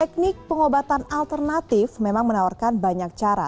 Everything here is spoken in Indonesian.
teknik pengobatan alternatif memang menawarkan banyak cara